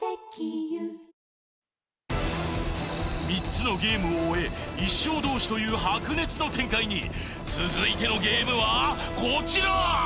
３つのゲームを終え１勝同士という白熱の展開に続いてのゲームはこちら！